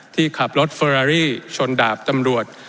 ที่ขับรถเฟอรารี่ชนดาบตำรวจ